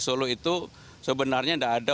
solo itu sebenarnya tidak ada